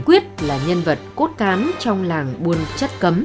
quyết là nhân vật cốt cán trong làng buôn chất cấm